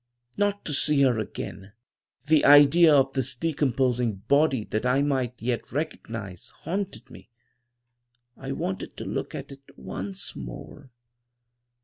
"Not to see her again! The idea of this decomposing body, that I might yet recognize, haunted me. I wanted to look at it once more.